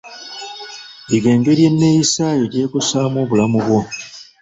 Yiga engeri eneeyisa yo gy'ekosaamu obulamu bwo.